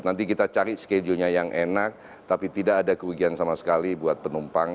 nanti kita cari schedule nya yang enak tapi tidak ada kerugian sama sekali buat penumpang